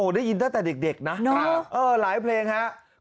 ได้ยินตั้งแต่เด็กนะหลายเพลงครับ